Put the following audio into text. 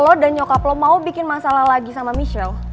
lo dan nyokap lo mau bikin masalah lagi sama michel